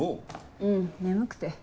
うん眠くて。